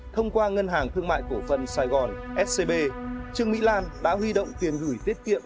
thông qua ngân hàng thương mại cổ phân sài gòn scb trương mỹ lan đã huy động tiền gửi tiết kiệm